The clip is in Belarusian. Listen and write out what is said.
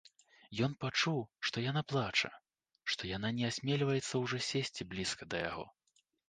Ён пачуў, што яна плача, што яна не асмельваецца ўжо сесці блізка да яго.